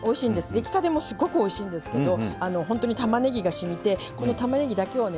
出来たてもすごくおいしいんですけどほんとにたまねぎがしみてこのたまねぎだけをね